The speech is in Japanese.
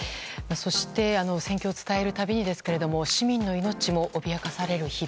そして戦況を伝えるたびにですが市民の命も脅かされる日々。